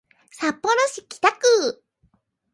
札幌市北区